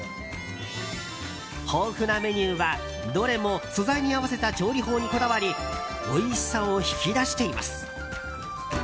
豊富なメニューはどれも素材に合わせた調理法にこだわりおいしさを引き出しています。